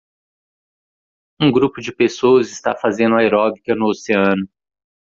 Um grupo de pessoas está fazendo aeróbica no oceano.